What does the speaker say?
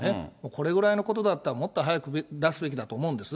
これぐらいのことだったらもっと早く出すべきだと思うんです。